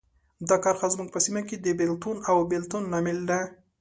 دا کرښه زموږ په سیمو کې د بېلتون او بیلتون لامل ده.